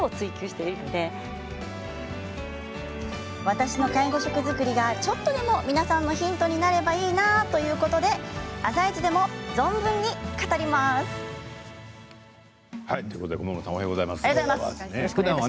私の介護食作りが、ちょっとでも皆さんのヒントになればいいなということで「あさイチ」でも存分に語らせていただきます。